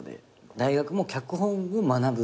大学も脚本を学ぶ。